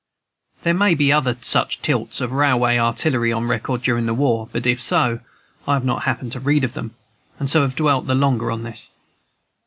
There may be other such tilts of railway artillery on record during the war; but if so, I have not happened to read of them, and so have dwelt the longer on this.